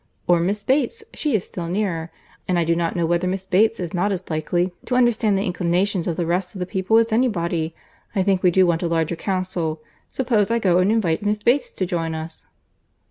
Or Miss Bates? She is still nearer.—And I do not know whether Miss Bates is not as likely to understand the inclinations of the rest of the people as any body. I think we do want a larger council. Suppose I go and invite Miss Bates to join us?"